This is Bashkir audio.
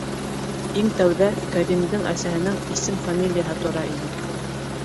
Иң тәүҙә Кәримдең әсәһенең исем-фамилияһы тора ине.